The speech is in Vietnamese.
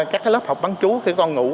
các lớp học bán chú khi con ngủ